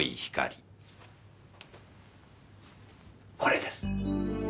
これです。